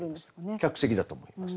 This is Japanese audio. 客席だと思います。